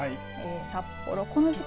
札幌、この時間。